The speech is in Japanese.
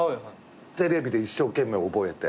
テレビで一生懸命覚えて。